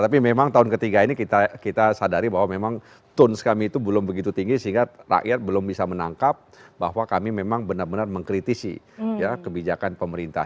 tapi memang tahun ketiga ini kita sadari bahwa memang tone kami itu belum begitu tinggi sehingga rakyat belum bisa menangkap bahwa kami memang benar benar mengkritisi kebijakan pemerintah